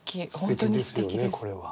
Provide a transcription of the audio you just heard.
本当にすてきです。